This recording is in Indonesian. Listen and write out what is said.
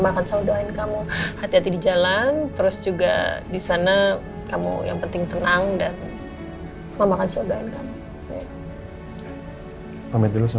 ikutterin kamu hati hati di jalan terus juga disana kamu yang penting tenang dan memakai saj massive